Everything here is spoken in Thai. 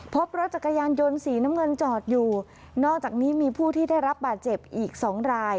พบรถจักรยานยนต์สีน้ำเงินจอดอยู่นอกจากนี้มีผู้ที่ได้รับบาดเจ็บอีกสองราย